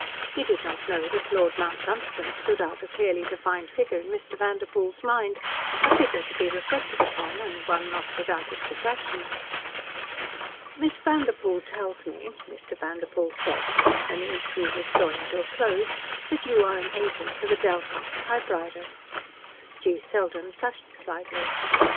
He did not know that Lord Mount Dunstan stood out a clearly defined figure in Mr. Vanderpoel's mind, a figure to be reflected upon, and one not without its attraction. "Miss Vanderpoel tells me," Mr. Vanderpoel said, when the interview was drawing to a close, "that you are an agent for the Delkoff typewriter." G. Selden flushed slightly.